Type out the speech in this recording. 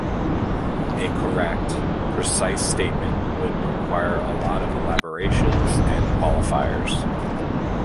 A correct, precise statement would require a lot of elaborations and qualifiers.